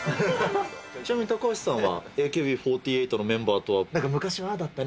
ちなみに、高橋さんはＡＫＢ４８のメンバーとは昔はああだったね！